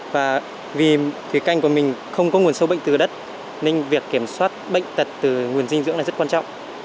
và vì thủy canh của mình không có nguồn sâu bệnh từ đất nên việc kiểm soát bệnh tật từ nguồn dinh dưỡng là rất quan trọng